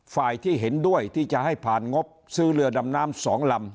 ฝ่ายที่เห็นด้วยที่จะให้ผ่านงบซื้อเรือดำน้ำ๒ลำ